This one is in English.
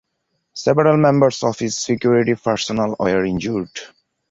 Several members of his security personnel were injured.